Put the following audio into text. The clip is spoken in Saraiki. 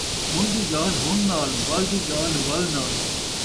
ہݨ دی ڳالھ ہݨ نال ، ول دی ڳالھ ول نال